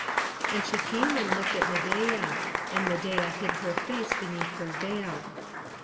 And she came and looked at Medeia; and Medeia hid her face beneath her veil.